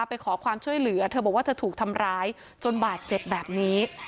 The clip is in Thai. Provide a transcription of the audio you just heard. ไปขอความช่วยเหลือเธอบอกว่าเธอถูกทำร้ายจนบาดเจ็บแบบนี้